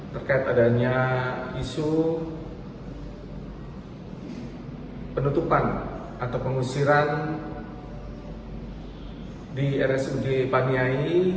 terkait adanya isu penutupan atau pengusiran di rsud paniai